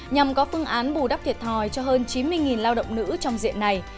nhằm có phương án bù đắp thiệt thòi cho hơn chín mươi lao động nữ trong diện này